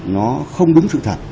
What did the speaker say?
nó không đúng sự thật